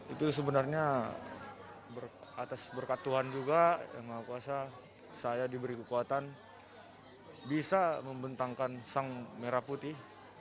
itu sebenarnya atas berkat tuhan juga yang maha kuasa saya diberi kekuatan bisa membentangkan sang merah putih